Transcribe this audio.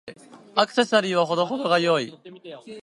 アクセサリーは程々が良い。